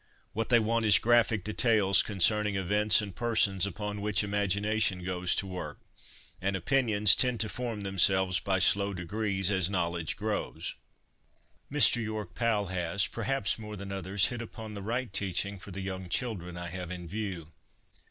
What they want is graphic details con cerning events and persons upon which imagination goes to work ; and opinions tend to form themselves by slow degrees as knowledge grows. Mr York Powell has, perhaps more than others, hit upon the right teaching for the young children I have in view.